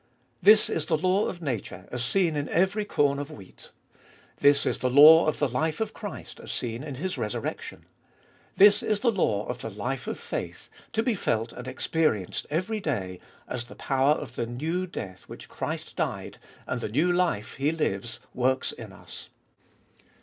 This is the law of nature, as seen in every corn of wheat. This is the law of the life of Christ, as seen in His resurrection. This is the law of the life of faith, to be felt and experienced every day, as the power of the New Death which Christ died, and the New Life He Hues, works in us.